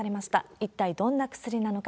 一体どんな薬なのか。